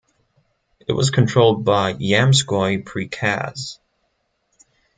It was controlled by "yamskoy prikaz".